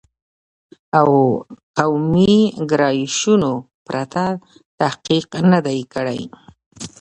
او قومي ګرایشونو پرته تحقیق نه دی کړی